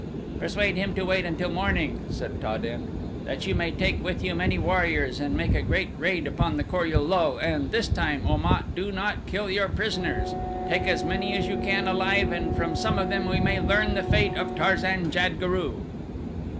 "Persuade him to wait until morning," said Ta den, "that you may take with you many warriors and make a great raid upon the Kor ul lul, and this time, Om at, do not kill your prisoners. Take as many as you can alive and from some of them we may learn the fate of Tarzan jad guru."